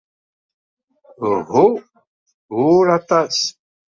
Uhu, ur aṭas.